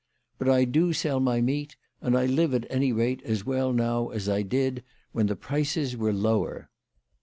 But I do sell my meat, and I live at any rate as well now as I did when the prices were lower."